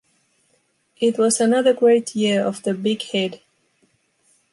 It was another great year of the “Big Head”.